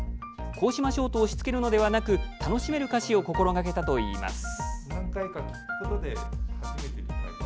「こうしましょう」と押しつけるのではなく楽しめる歌詞を心がけたといいます。